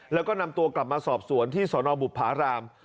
แล้วก็นำตัวกลับมาสอบสวนที่สนบุภาราม